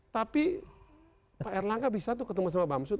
tapi pak erlangga bisa tuh ketemu sama mbak amsud